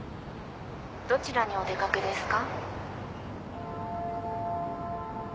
どちらにお出掛けですか？